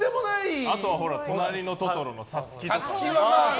あとは「となりのトトロ」のサツキとかね。